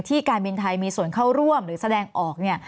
การบินไทยมีส่วนเข้าร่วมหรือแสดงออกเนี่ย